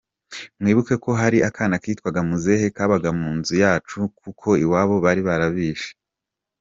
Mwibuke ko hari akana kitwaga Muzehe kabaga mu nzu yacu kuko iwabo bari barabishe.